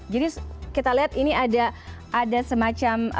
jadi kita lihat ini ada semacam